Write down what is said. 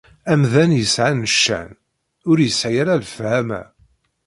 Amdan yesɛan ccan, ur isɛi ara lefhama.